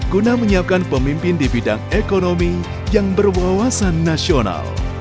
guna menyiapkan pemimpin di bidang ekonomi yang berwawasan nasional